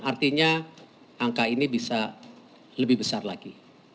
artinya angka ini bisa lebih besar lagi